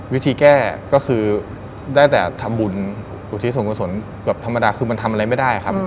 วิธีแก้ก็คือได้แต่ทำบุญอุทิศส่วนกุศลแบบธรรมดาคือมันทำอะไรไม่ได้ครับ